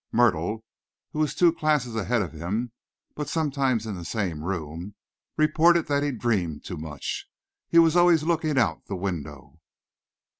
Myrtle, who was two classes ahead of him but sometimes in the same room, reported that he dreamed too much. He was always looking out of the window.